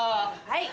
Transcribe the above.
はい。